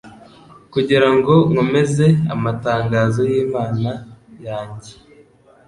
kugira ngo nkomeze amatangazo y’Imana yanjye